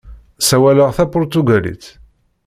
Ssawaleɣ tapuṛtugalit.